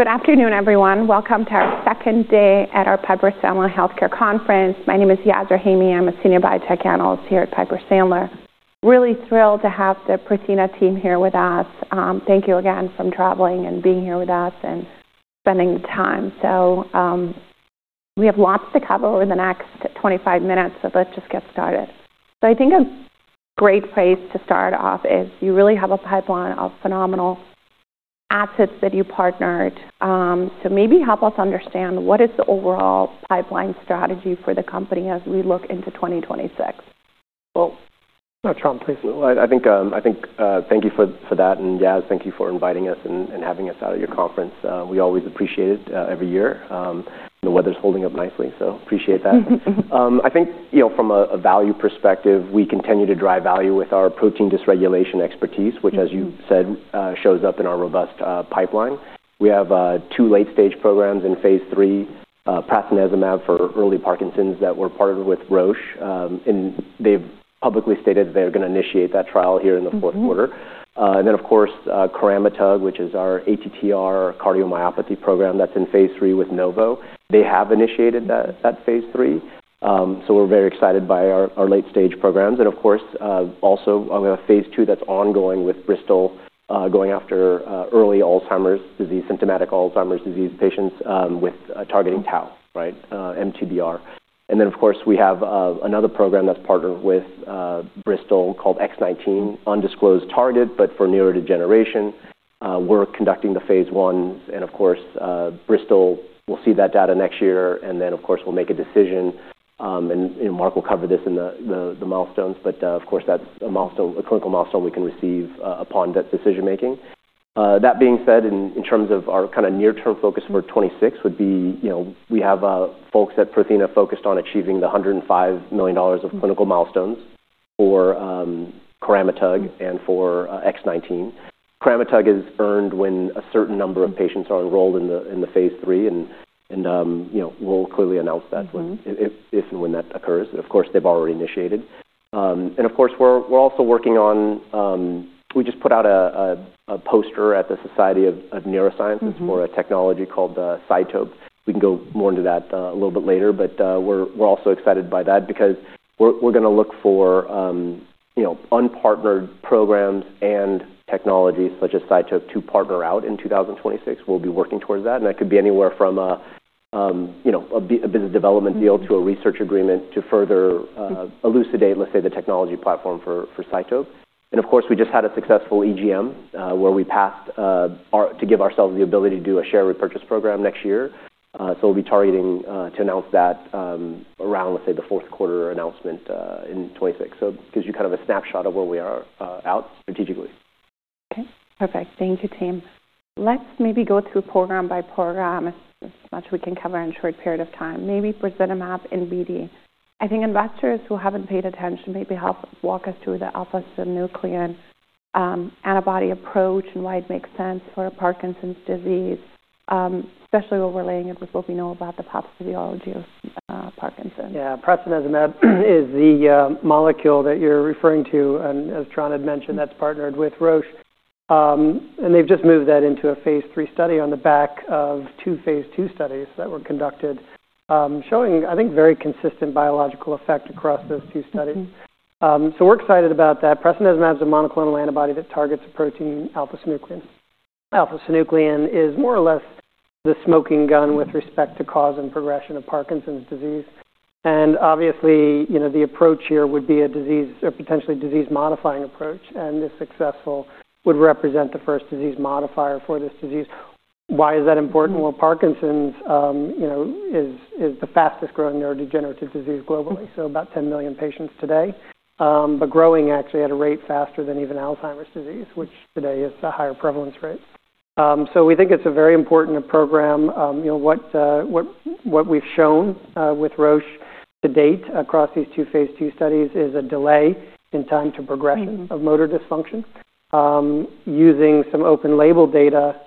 Good afternoon, everyone. Welcome to our second day at our Piper Sandler Healthcare Conference. My name is Yasmeen Rahimi. I'm a Senior Biotech Analyst here at Piper Sandler. Really thrilled to have the Prothena team here with us. Thank you again for traveling and being here with us and spending the time. We have lots to cover over the next 25 minutes, so let's just get started. I think a great place to start off is you really have a pipeline of phenomenal assets that you partnered. So maybe help us understand what is the overall pipeline strategy for the company as we look into 2026. No, Tran, please. I think, thank you for that, and Yas, thank you for inviting us and having us out at your conference. We always appreciate it every year. The weather's holding up nicely, so appreciate that. From a value perspective, we continue to drive value with our protein dysregulation expertise, which, as you said, shows up in our robust pipeline. We have two late-stage programs in Phase III, Prasinezumab for early Parkinson's that we're partnered with Roche, and they've publicly stated they're going to initiate that trial here in the fourth quarter, and then, of course, Coramitug, which is our ATTR cardiomyopathy program that's in Phase III with Novo. They have initiated that Phase III, so we're very excited by our late-stage programs. Of course, also we have Phase II that's ongoing with Bristol going after early Alzheimer's disease, symptomatic Alzheimer's disease patients with targeting Tau, right, MTBR. Then, of course, we have another program that's partnered with Bristol called PRX019, undisclosed target, but for neurodegeneration. We're conducting the Phase I. Of course, Bristol, we'll see that data next year. Then, of course, we'll make a decision. Mark will cover this in the milestones. But, of course, that's a clinical milestone we can receive upon that decision-making. That being said, in terms of our kind of near-term focus for 2026 would be we have folks at Prothena focused on achieving the $105 million of clinical milestones for Coramitug and for PRX019. Coramitug is earned when a certain number of patients are enrolled in the Phase III. We'll clearly announce that if and when that occurs. Of course, they've already initiated. Of course, we're also working on. We just put out a poster at the Society for Neuroscience for a technology called CYTOPE. We can go more into that a little bit later. But we're also excited by that because we're going to look for unpartnered programs and technologies such as CYTOPE to partner out in 2026. We'll be working towards that. And that could be anywhere from a business development deal to a research agreement to further elucidate, let's say, the technology platform for CYTOPE. And, of course, we just had a successful EGM where we passed to give ourselves the ability to do a share repurchase program next year. So we'll be targeting to announce that around, let's say, the fourth quarter announcement in 2026. So it gives you kind of a snapshot of where we are out strategically. Okay. Perfect. Thank you, team. Let's maybe go through program by program as much as we can cover in a short period of time. Maybe Prasinezumab and PD. I think investors who haven't paid attention maybe help walk us through the alpha-synuclein antibody approach and why it makes sense for Parkinson's disease, especially overlaying it with what we know about the pathophysiology of Parkinson's. Yeah. Prasinezumab is the molecule that you're referring to. And as Tran had mentioned, that's partnered with Roche. And they've just moved that into a Phase III study on the back of two Phase II studies that were conducted, showing, I think, very consistent biological effect across those two studies. So we're excited about that. Prasinezumab is a monoclonal antibody that targets a protein, alpha-synuclein. Alpha-synuclein is more or less the smoking gun with respect to cause and progression of Parkinson's disease. And obviously, the approach here would be a disease or potentially disease-modifying approach. And if successful, would represent the first disease modifier for this disease. Why is that important? Well, Parkinson's is the fastest growing neurodegenerative disease globally, so about 10 million patients today. But growing actually at a rate faster than even Alzheimer's disease, which today is a higher prevalence rate. So we think it's a very important program. What we've shown with Roche to date across these two Phase II studies is a delay in time to progression of motor dysfunction. Using some open label data,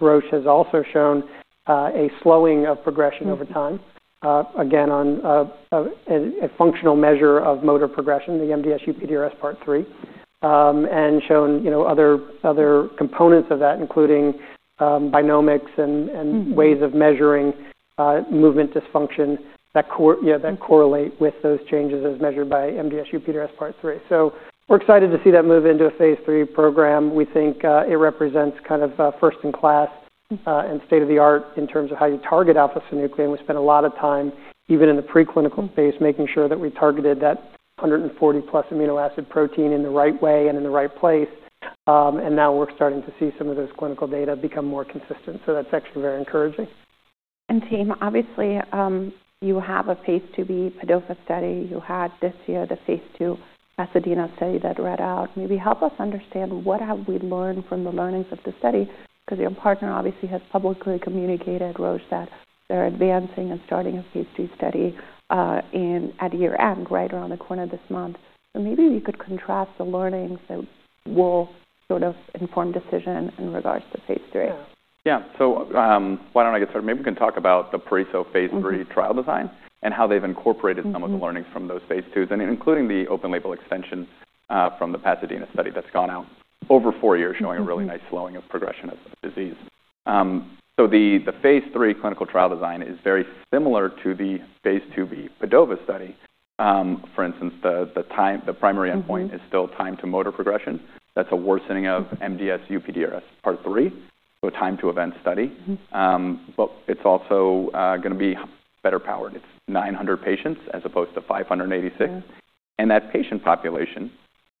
Roche has also shown a slowing of progression over time, again, on a functional measure of motor progression, the MDS-UPDRS Part III, and shown other components of that, including biomarkers and ways of measuring movement dysfunction that correlate with those changes as measured by MDS-UPDRS Part III. So we're excited to see that move into a Phase III program. We think it represents kind of first-in-class and state-of-the-art in terms of how you target alpha-synuclein. We spent a lot of time even in the preclinical phase making sure that we targeted that 140+ amino acid protein in the right way and in the right place. Now we're starting to see some of those clinical data become more consistent. That's actually very encouraging. And, team, obviously, you have a Phase IIb PADOVA study. You had this year the Phase II PASADENA study that read out. Maybe help us understand what have we learned from the learnings of the study? Because your partner obviously has publicly communicated, Roche, that they're advancing and starting a Phase III study at year-end, right around the corner this month. So maybe you could contrast the learnings that will sort of inform decision in regards to Phase III. Yeah. So why don't I get started? Maybe we can talk about the Phase III trial design and how they've incorporated some of the learnings from those Phase IIs, including the open-label extension from the PASADENA study that's gone out over four years, showing a really nice slowing of progression of disease. So the Phase III clinical trial design is very similar to the Phase IIb PADOVA study. For instance, the primary endpoint is still time to motor progression. That's a worsening of MDS-UPDRS Part III, so time-to-event study. But it's also going to be better powered. It's 900 patients as opposed to 586. And that patient population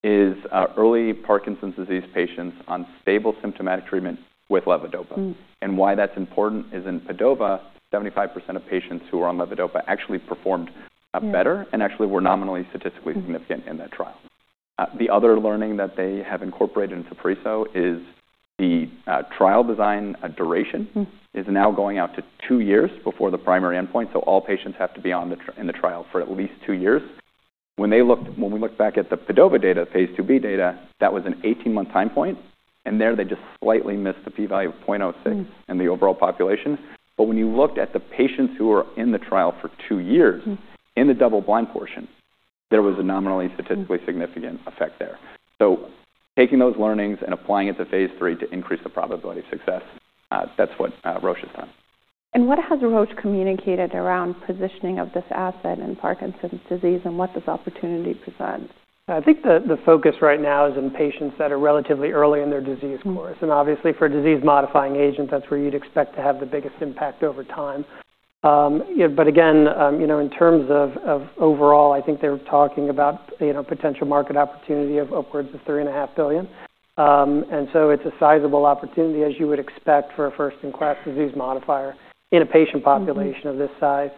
is early Parkinson's disease patients on stable symptomatic treatment with levodopa. And why that's important is in PADOVA, 75% of patients who are on levodopa actually performed better and actually were nominally statistically significant in that trial. The other learning that they have incorporated into Phase III is the trial design duration is now going out to two years before the primary endpoint. All patients have to be in the trial for at least two years. When we looked back at the PADOVA data, Phase IIb data, that was an 18-month time point. There they just slightly missed the p-value of 0.06 in the overall population. When you looked at the patients who were in the trial for two years in the double-blind portion, there was a nominally statistically significant effect there. Taking those learnings and applying it to Phase III to increase the probability of success, that's what Roche has done. What has Roche communicated around positioning of this asset in Parkinson's disease and what this opportunity presents? I think the focus right now is in patients that are relatively early in their disease course. And obviously, for disease-modifying agents, that's where you'd expect to have the biggest impact over time. But again, in terms of overall, I think they're talking about potential market opportunity of upwards of $3.5 billion. And so it's a sizable opportunity, as you would expect, for a first-in-class disease modifier in a patient population of this size.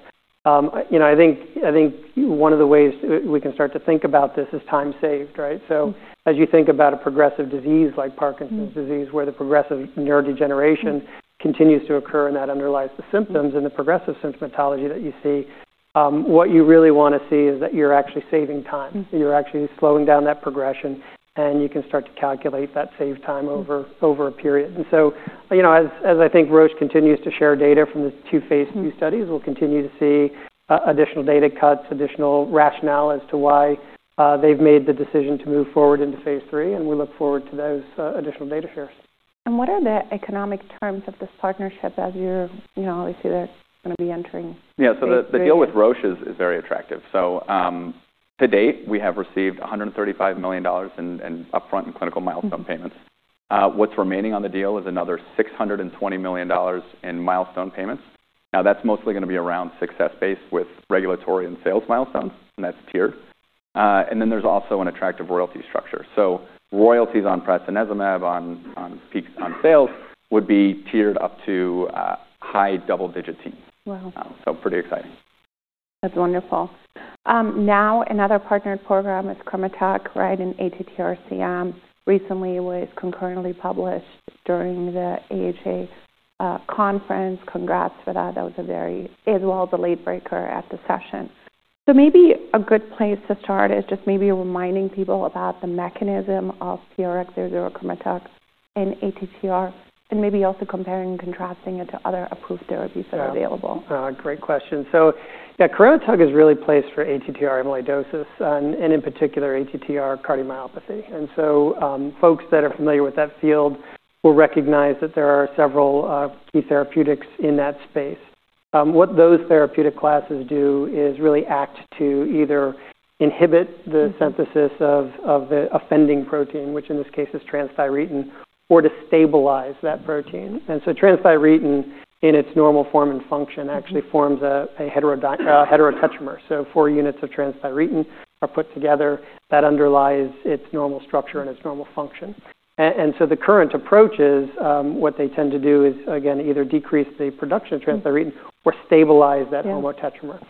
I think one of the ways we can start to think about this is time saved, right? So as you think about a progressive disease like Parkinson's disease, where the progressive neurodegeneration continues to occur and that underlies the symptoms and the progressive symptomatology that you see, what you really want to see is that you're actually saving time. You're actually slowing down that progression. You can start to calculate that saved time over a period. So as I think Roche continues to share data from the two Phase II studies, we'll continue to see additional data cuts, additional rationale as to why they've made the decision to move forward into Phase III. We look forward to those additional data shares. What are the economic terms of this partnership as you obviously are going to be entering? Yeah. The deal with Roche is very attractive. To date, we have received $135 million in upfront and clinical milestone payments. What's remaining on the deal is another $620 million in milestone payments. Now, that's mostly going to be around success-based with regulatory and sales milestones. And that's tiered. And then there's also an attractive royalty structure. Royalties on Prasinezumab, on sales, would be tiered up to high double-digit teens. Pretty exciting. That's wonderful. Now, another partnered program with Coramitug, right, in ATTR-CM recently was concurrently published during the AHA conference. Congrats for that. That was a very as well as a late breaker at the session. So maybe a good place to start is just maybe reminding people about the mechanism of PRX004 Coramitug in ATTR and maybe also comparing and contrasting it to other approved therapies that are available. Great question. So Coramitug is really placed for ATTR amyloidosis and in particular ATTR cardiomyopathy. And so folks that are familiar with that field will recognize that there are several key therapeutics in that space. What those therapeutic classes do is really act to either inhibit the synthesis of the offending protein, which in this case is transthyretin, or to stabilize that protein. And so transthyretin in its normal form and function actually forms a heterotetramer. So four units of transthyretin are put together that underlies its normal structure and its normal function. And so the current approaches, what they tend to do is, again, either decrease the production of transthyretin or stabilize that homotetramer.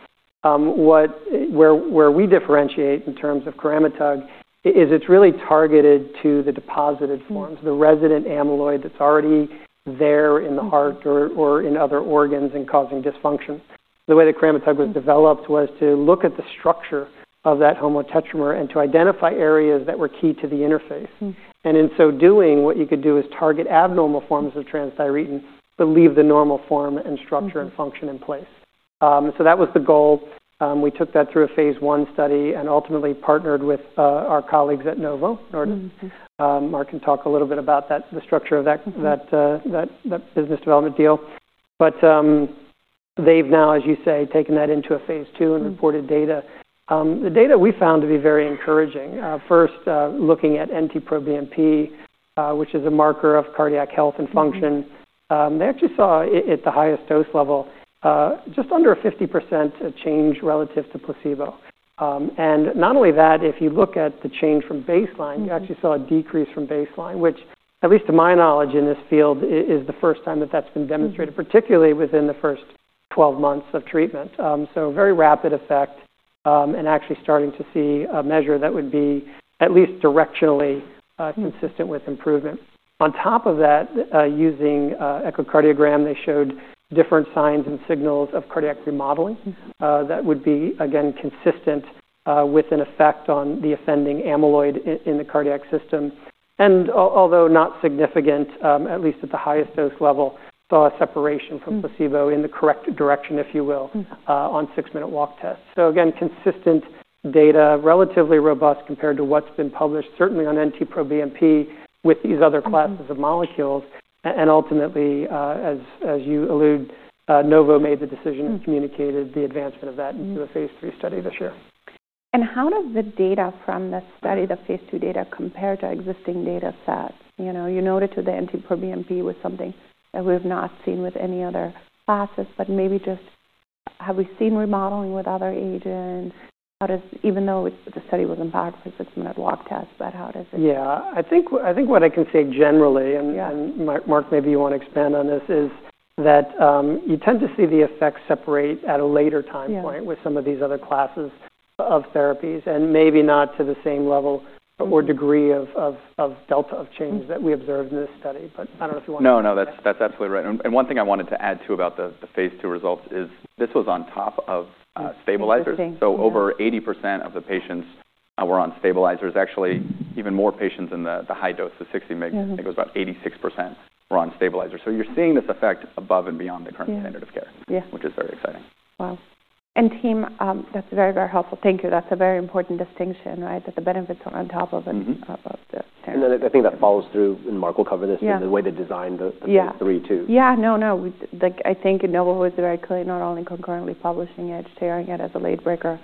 Where we differentiate in terms of Coramitug is it's really targeted to the deposited forms, the resident amyloid that's already there in the heart or in other organs and causing dysfunction. The way that Coramitug was developed was to look at the structure of that homotetramer and to identify areas that were key to the interface. And in so doing, what you could do is target abnormal forms of transthyretin, but leave the normal form and structure and function in place. So that was the goal. We took that through a Phase I study and ultimately partnered with our colleagues at Novo. Mark can talk a little bit about the structure of that business development deal. But they've now, as you say, taken that into a Phase II and reported data. The data we found to be very encouraging. First, looking at NT-proBNP, which is a marker of cardiac health and function, they actually saw at the highest dose level just under a 50% change relative to placebo. And not only that, if you look at the change from baseline, you actually saw a decrease from baseline, which at least to my knowledge in this field is the first time that that's been demonstrated, particularly within the first 12 months of treatment. So very rapid effect and actually starting to see a measure that would be at least directionally consistent with improvement. On top of that, using echocardiogram, they showed different signs and signals of cardiac remodeling that would be, again, consistent with an effect on the offending amyloid in the cardiac system. And although not significant, at least at the highest dose level, saw a separation from placebo in the correct direction, if you will, on six-minute walk test. So again, consistent data, relatively robust compared to what's been published, certainly on NT-proBNP with these other classes of molecules. Ultimately, as you allude, Novo made the decision and communicated the advancement of that into a Phase III study this year. And how does the data from the study, the Phase II data, compare to existing data sets? You noted to the NT-proBNP was something that we've not seen with any other classes. But maybe just have we seen remodeling with other agents? Even though the study wasn't powered for six-minute walk tests, but how does it? Yeah. I think what I can say generally, and Mark, maybe you want to expand on this, is that you tend to see the effects separate at a later time point with some of these other classes of therapies and maybe not to the same level or degree of delta of change that we observed in this study. But I don't know if you want to. No, no. That's absolutely right. And one thing I wanted to add to about the Phase II results is this was on top of stabilizers. So over 80% of the patients were on stabilizers. Actually, even more patients in the high dose of 60 mg, I think it was about 86% were on stabilizers. So you're seeing this effect above and beyond the current standard of care, which is very exciting. Wow. And, team, that's very, very helpful. Thank you. That's a very important distinction, right, that the benefits are on top of the standard. I think that follows through, and Mark will cover this, in the way they designed the Phase III too. Yeah. No, no. I think Novo was very clear, not only concurrently publishing it, sharing it as a late breaker,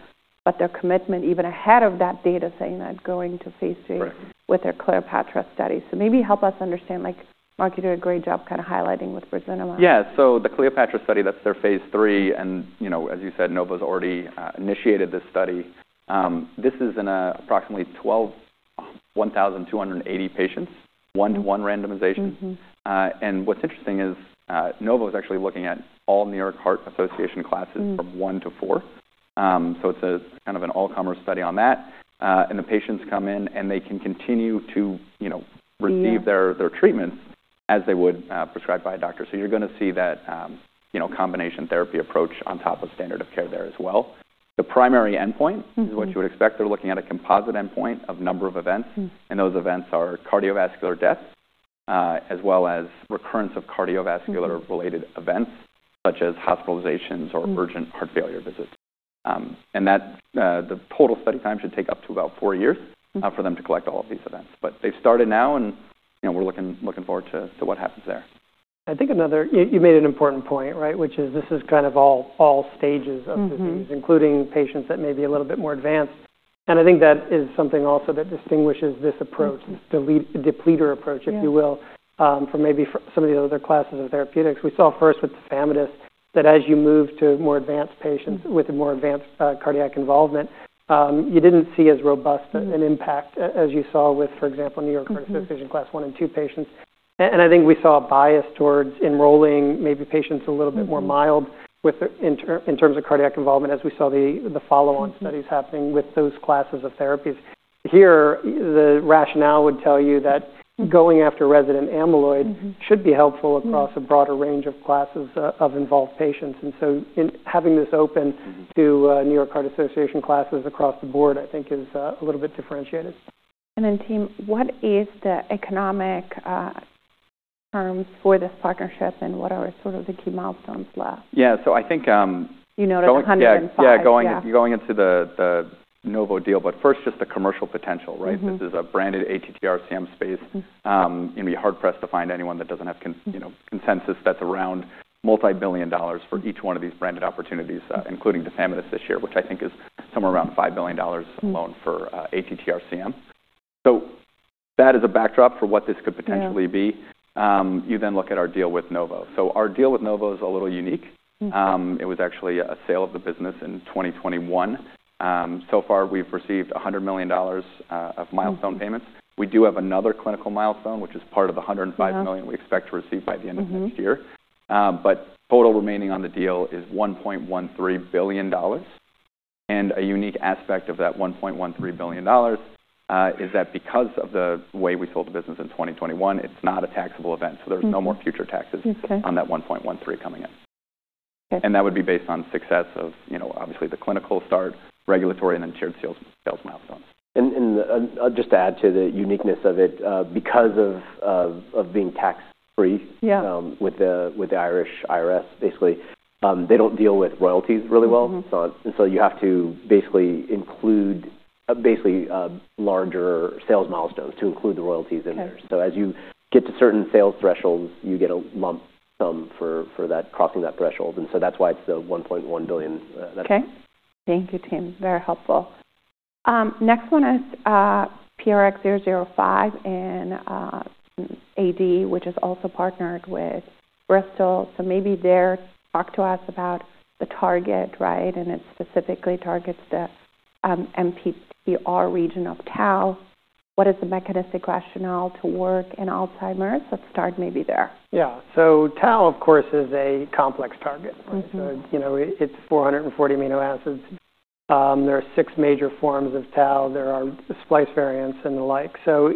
but their commitment even ahead of that data saying that going to Phase III with their CLEOPATRA study. So maybe help us understand. Mark did a great job kind of highlighting with Bristol. Yeah. So the CLEOPATRA study, that's their Phase III. And as you said, Novo has already initiated this study. This is in approximately 1,280 patients, one-to-one randomization. And what's interesting is Novo is actually looking at all New York Heart Association classes from one to four. So it's kind of an all-comers study on that. And the patients come in, and they can continue to receive their treatments as they would be prescribed by a doctor. So you're going to see that combination therapy approach on top of standard of care there as well. The primary endpoint is what you would expect. They're looking at a composite endpoint of number of events. And those events are cardiovascular death as well as recurrence of cardiovascular-related events such as hospitalizations or urgent heart failure visits. The total study time should take up to about four years for them to collect all of these events. They've started now, and we're looking forward to what happens there. I think another point you made an important point, right, which is this is kind of all stages of disease, including patients that may be a little bit more advanced. I think that is something also that distinguishes this approach, this depleter approach, if you will, from maybe some of the other classes of therapeutics. We saw first with tafamidis that as you move to more advanced patients with more advanced cardiac involvement, you didn't see as robust an impact as you saw with, for example, New York Heart Association class one and two patients. I think we saw a bias towards enrolling maybe patients a little bit more mild in terms of cardiac involvement as we saw the follow-on studies happening with those classes of therapies. Here, the rationale would tell you that going after resident amyloid should be helpful across a broader range of classes of involved patients. And so having this open to New York Heart Association classes across the board, I think, is a little bit differentiated. Then team, what is the economic terms for this partnership, and what are sort of the key milestones left? Yeah, so I think. You know the 100 and something. Yeah. Going into the Novo deal, but first just the commercial potential, right? This is a branded ATTR-CM space. You'd be hard-pressed to find anyone that doesn't have consensus that's around multi-billion dollars for each one of these branded opportunities, including the tafamidis, which I think is somewhere around $5 billion alone for ATTR-CM. So that is a backdrop for what this could potentially be. You then look at our deal with Novo. So our deal with Novo is a little unique. It was actually a sale of the business in 2021. So far, we've received $100 million of milestone payments. We do have another clinical milestone, which is part of the $105 million we expect to receive by the end of next year. But total remaining on the deal is $1.13 billion. A unique aspect of that $1.13 billion is that because of the way we sold the business in 2021, it's not a taxable event. There's no more future taxes on that $1.13 coming in. That would be based on success of, obviously, the clinical start, regulatory, and then tiered sales milestones. Just to add to the uniqueness of it, because of being tax-free with the Irish IRS, basically, they don't deal with royalties really well. You have to basically include larger sales milestones to include the royalties in there. As you get to certain sales thresholds, you get a lump sum for crossing that threshold. That's why it's the $1.1 billion. Okay. Thank you, team. Very helpful. Next one is PRX005 in AD, which is also partnered with Bristol. So maybe there talk to us about the target, right? And it specifically targets the MTBR region of Tau. What is the mechanistic rationale to work in Alzheimer's? Let's start maybe there. Yeah. So Tau, of course, is a complex target. So it's 440 amino acids. There are six major forms of Tau. There are splice variants and the like. So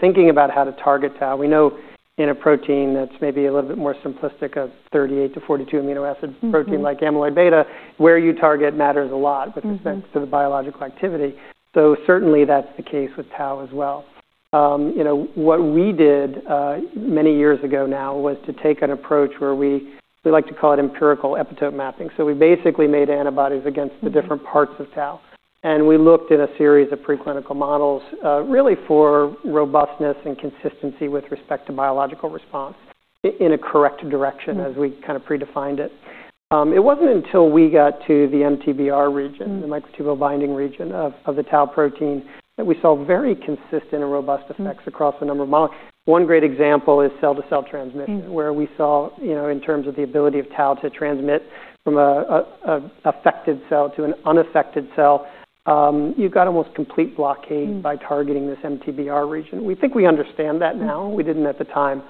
thinking about how to target Tau, we know in a protein that's maybe a little bit more simplistic of 38-42 amino acids, protein like amyloid beta, where you target matters a lot with respect to the biological activity. So certainly, that's the case with Tau as well. What we did many years ago now was to take an approach where we like to call it empirical epitope mapping. So we basically made antibodies against the different parts of Tau. And we looked in a series of preclinical models really for robustness and consistency with respect to biological response in a correct direction as we kind of predefined it. It wasn't until we got to the MTBR region, the microtubule binding region of the Tau protein, that we saw very consistent and robust effects across a number of models. One great example is cell-to-cell transmission, where we saw in terms of the ability of Tau to transmit from an affected cell to an unaffected cell, you've got almost complete blockade by targeting this MTBR region. We think we understand that now. We didn't at the time.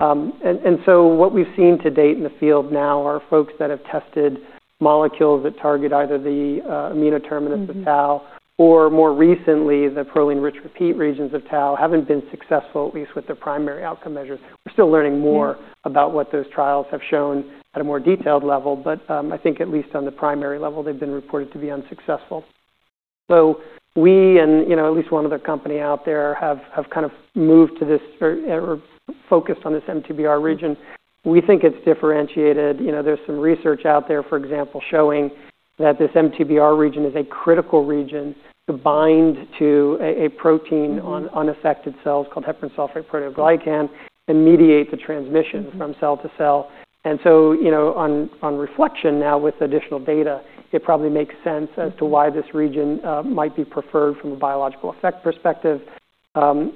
And so what we've seen to date in the field now are folks that have tested molecules that target either the amino terminus of Tau or more recently, the proline-rich repeat regions of Tau haven't been successful, at least with the primary outcome measures. We're still learning more about what those trials have shown at a more detailed level. But I think at least on the primary level, they've been reported to be unsuccessful. We and at least one other company out there have kind of moved to this or focused on this MTBR region. We think it's differentiated. There's some research out there, for example, showing that this MTBR region is a critical region to bind to a protein on unaffected cells, called heparan sulfate proteoglycan, and mediate the transmission from cell to cell. And so on reflection now with additional data, it probably makes sense as to why this region might be preferred from a biological effect perspective.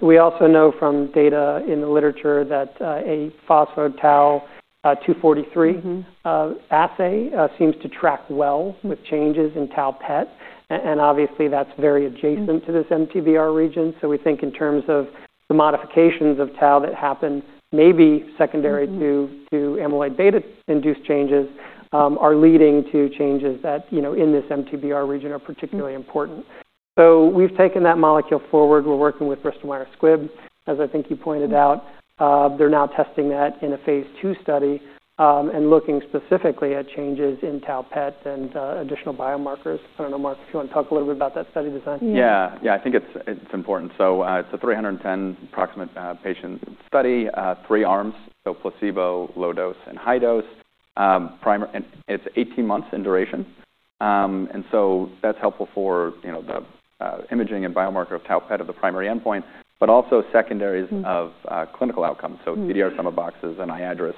We also know from data in the literature that a phospho-tau243 assay seems to track well with changes in tau PET. And obviously, that's very adjacent to this MTBR region. We think in terms of the modifications of tau that happen, maybe secondary to amyloid beta-induced changes, are leading to changes that in this MTBR region are particularly important. So we've taken that molecule forward. We're working with Bristol Myers Squibb, as I think you pointed out. They're now testing that in a Phase II study and looking specifically at changes in Tau PET and additional biomarkers. I don't know, Mark, if you want to talk a little bit about that study design. Yeah. Yeah. I think it's important. So it's a 310 approximate patient study, three arms, so placebo, low dose, and high dose. It's 18 months in duration. And so that's helpful for the imaging and biomarker of Tau PET of the primary endpoint, but also secondaries of clinical outcomes. So CDR sum of boxes and iADRS,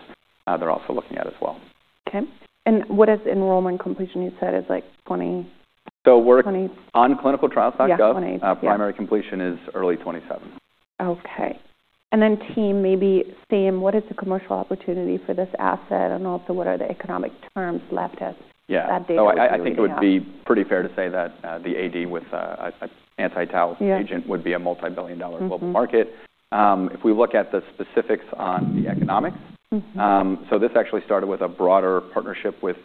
they're also looking at as well. Okay. And what is enrollment completion? You said it's like 20. We're on ClinicalTrials.gov. Primary completion is early 2027. Okay. And then team, maybe same, what is the commercial opportunity for this asset? And also, what are the economic terms left at that data? Yeah. So I think it would be pretty fair to say that the AD with an anti-tau agent would be a multi-billion dollar global market. If we look at the specifics on the economics, so this actually started with a broader partnership with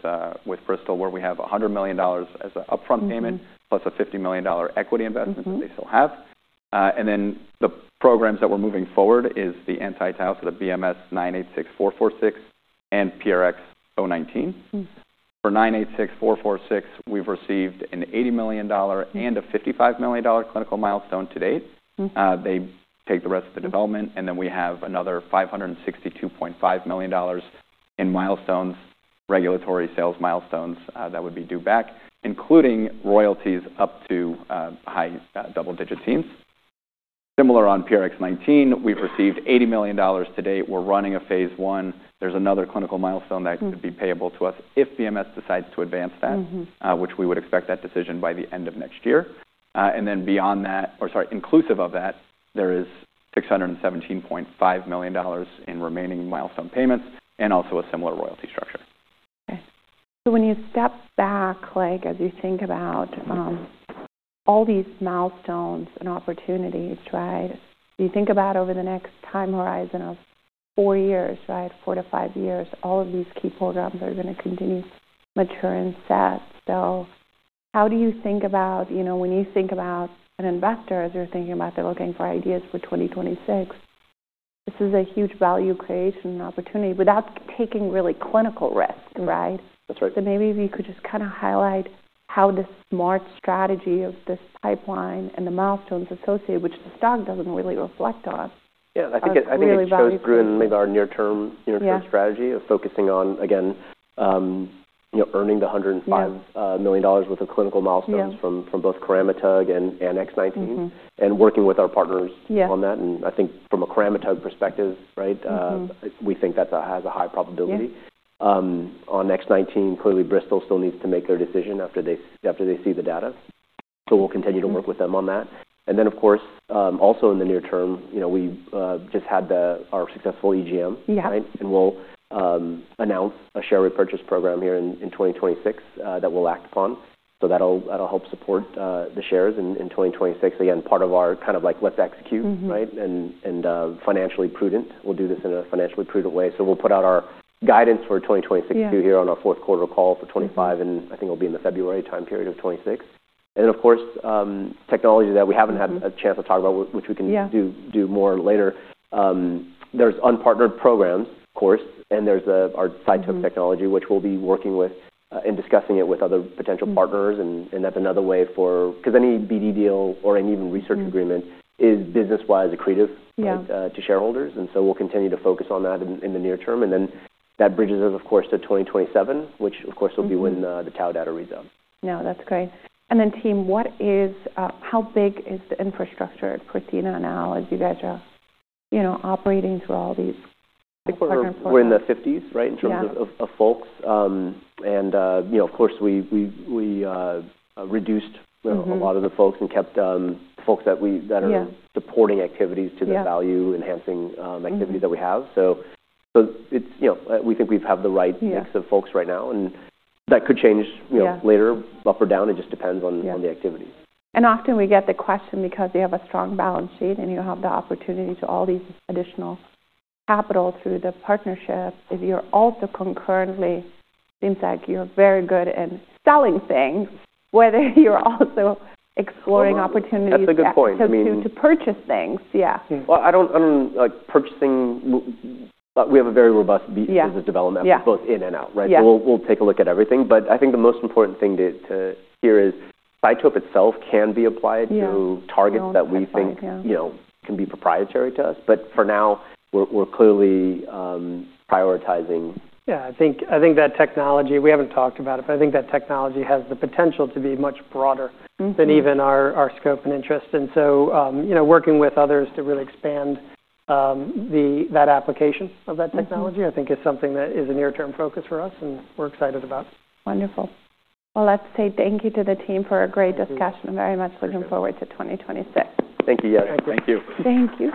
Bristol, where we have $100 million as an upfront payment plus a $50 million equity investment that they still have. And then the programs that we're moving forward is the anti-tau, so the BMS-986446 and PRX019. For 986446, we've received an $80 million and a $55 million clinical milestone to date. They take the rest of the development. And then we have another $562.5 million in milestones, regulatory sales milestones that would be due back, including royalties up to high double-digit teens. Similar on PRX019, we've received $80 million to date. We're running a Phase I. There's another clinical milestone that could be payable to us if BMS decides to advance that, which we would expect that decision by the end of next year. And then beyond that, or sorry, inclusive of that, there is $617.5 million in remaining milestone payments and also a similar royalty structure. Okay. So when you step back, as you think about all these milestones and opportunities, right, you think about over the next time horizon of four years, right, four to five years, all of these key programs are going to continue to mature and set. So how do you think about when you think about an investor, as you're thinking about they're looking for ideas for 2026, this is a huge value creation opportunity without taking really clinical risk, right? So maybe if you could just kind of highlight how the smart strategy of this pipeline and the milestones associated, which the stock doesn't really reflect on. Yeah. I think it shows through in our near-term strategy of focusing on, again, earning the $105 million worth of clinical milestones from both Coramitug and PRX019 and working with our partners on that. And I think from a Coramitug perspective, right, we think that has a high probability. On PRX019, clearly, Bristol still needs to make their decision after they see the data. So we'll continue to work with them on that. And then, of course, also in the near term, we just had our successful EGM, right? And we'll announce a share repurchase program here in 2026 that we'll act upon. So that'll help support the shares in 2026. Again, part of our kind of like let's execute, right? And financially prudent. We'll do this in a financially prudent way. So we'll put out our guidance for 2026 here on our fourth quarter call for 2025. And I think it'll be in the February time period of 2026. And then, of course, technology that we haven't had a chance to talk about, which we can do more later. There's unpartnered programs, of course. And there's our CYTOPE technology, which we'll be working with and discussing it with other potential partners. And that's another way for because any BD deal or any even research agreement is business-wise accretive to shareholders. And so we'll continue to focus on that in the near term. And then that bridges us, of course, to 2027, which, of course, will be when the Tau data reads out. No, that's great. And then team, how big is the infrastructure at Prothena now as you guys are operating through all these partner portfolio? I think we're in the 50s, right, in terms of folks. And of course, we reduced a lot of the folks and kept folks that are supporting activities to the value-enhancing activities that we have. So we think we have the right mix of folks right now. And that could change later, up or down. It just depends on the activity. Often we get the question because you have a strong balance sheet and you have the opportunity to all these additional capital through the partnership, if you're also concurrently seems like you're very good in selling things, whether you're also exploring opportunities to purchase things. Yeah. I'm not purchasing. We have a very robust business development both in and out, right? So we'll take a look at everything. But I think the most important thing to hear is CYTOPE itself can be applied to targets that we think can be proprietary to us. But for now, we're clearly prioritizing. Yeah. I think that technology we haven't talked about it, but I think that technology has the potential to be much broader than even our scope and interest, and so, working with others to really expand that application of that technology, I think, is something that is a near-term focus for us and we're excited about. Wonderful. Well, let's say thank you to the team for a great discussion. I'm very much looking forward to 2026. Thank you. Yeah. Thank you. Thank you.